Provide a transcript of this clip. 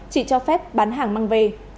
chỉ cho phép bán hàng mang về